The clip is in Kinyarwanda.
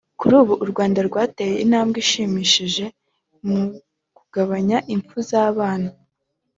Kuri ubu u Rwanda rwateye intambwe ishimishije mu kugabanya impfu z’abana